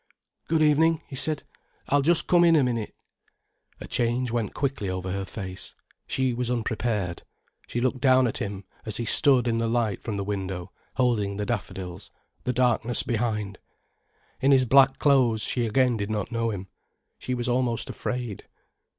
"Good evening," he said. "I'll just come in a minute." A change went quickly over her face; she was unprepared. She looked down at him as he stood in the light from the window, holding the daffodils, the darkness behind. In his black clothes she again did not know him. She was almost afraid.